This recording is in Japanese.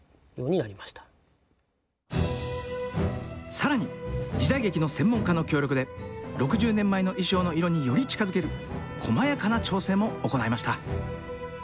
更に時代劇の専門家の協力で６０年前の衣装の色により近づけるこまやかな調整も行いました。